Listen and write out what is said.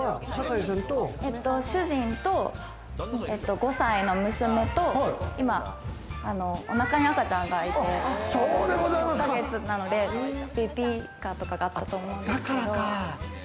主人と５歳の娘と今、お腹に赤ちゃんがいて、ベビーカーとかがあったと思うんですけど。